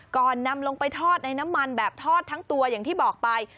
ก่อนนำลงไปทอดในน้ำมันแบบทอดทั้งตัวอย่างที่บอกไป